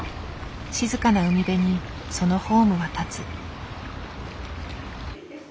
静かな海辺にそのホームは建つ。